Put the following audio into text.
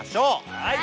はい！